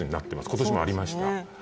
今年にもありました。